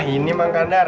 ini mak kandar